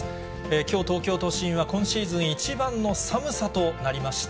きょう、東京都心は今シーズン一番の寒さとなりました。